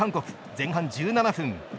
前半１７分。